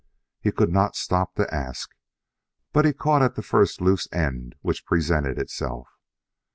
He could not stop to ask; but he caught at the first loose end which presented itself.